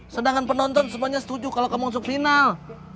sedangkan penonton semuanya setuju kalau kamu masuk final